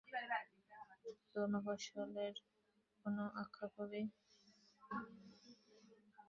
দূর মফস্বলের কোনো অখ্যাত কবি-যশঃপ্রার্থী তরুণের সঙ্গেও তিনি ভাব বিনিময় করতেন।